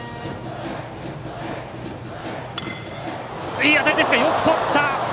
いい当たりですが、よくとった！